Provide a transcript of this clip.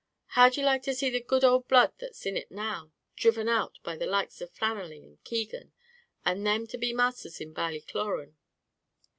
How'd ye like to see the good ould blood that's in it now, driven out by the likes of Flannelly and Keegan, and them to be masthers in Ballycloran?"